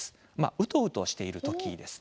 うとうとしている時ですね。